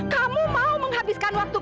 kamu mau menghabiskan waktu